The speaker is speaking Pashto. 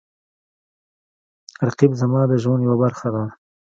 رقیب زما د ژوند یوه برخه ده